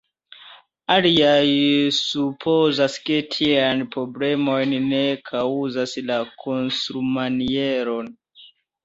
Aliaj supozas, ke tiajn problemojn ne kaŭzas la konstrumaniero.